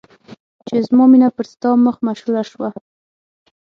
چې زما مینه پر ستا مخ مشهوره شوه.